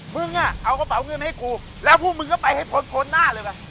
มึงอ่ะเอากระเป๋าเงินมาให้กูแล้วพวกมึงก็ไปให้พ้นพ้นหน้าเลยว่ะ